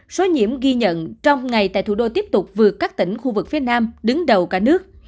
số nhiễm ghi nhận trong ngày tại thủ đô tiếp tục vượt các tỉnh khu vực phía nam đứng đầu cả nước